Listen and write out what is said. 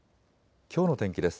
きょうの天気です。